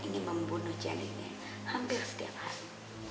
ingin membunuh jalilnya hampir setiap hari